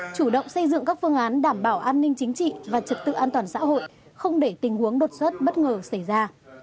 chủ động xây dựng các phương án đảm bảo an ninh chính trị và trật tự an toàn xã hội không để tình huống đột xuất bất ngờ xảy ra